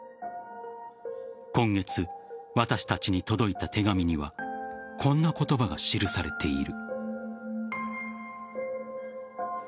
今月、私たちに届いた手紙にはこんな言葉が記されている。